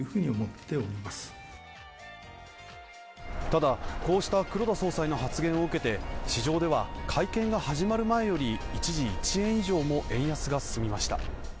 ただ、こうした黒田総裁の発言を受けて市場では、会見が始まる前より一時１円以上も円安が進みました。